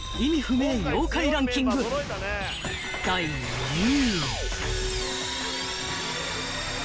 ［第２位］